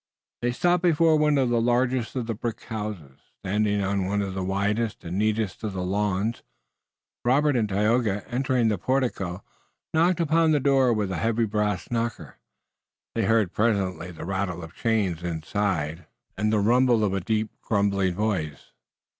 They stopped before one of the largest of the brick houses, standing on one of the widest and neatest of the lawns, and Robert and Tayoga, entering the portico, knocked upon the door with a heavy brass knocker. They heard presently the rattle of chains inside, and the rumble of a deep, grumbling voice.